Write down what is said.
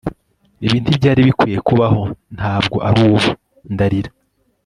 ibi ntibyari bikwiye kubaho, ntabwo arubu; ndarira